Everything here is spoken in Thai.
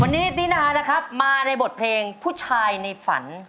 วันนี้ตินานะครับมาในบทเพลงผู้ชายในฝัน